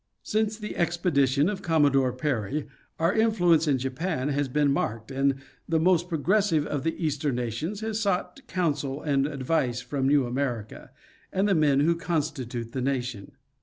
. Since the expedition of Com. Perry our influence in Japan has been marked, and this most progressive of the Eastern nations has sought counsel and advice from new America and the men who constitute the nation.